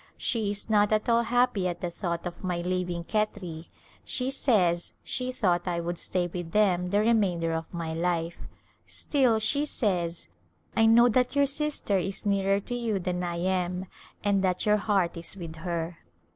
She is not at all happy at the thought of my leaving Khetri ; she says she thought I would stay with them the remainder of my life, still she says, " I know that your sister is nearer to you than I am, and that your heart is with her."